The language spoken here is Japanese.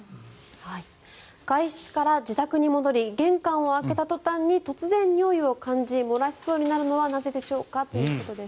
外出から自宅に戻り玄関を開けた途端に突然、尿意を感じ漏らしそうになるのはなぜでしょうか？ということです。